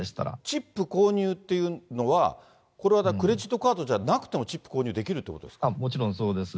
チップ購入っていうのは、これはクレジットカードじゃなくてもチップ購入できるってことでもちろんそうです。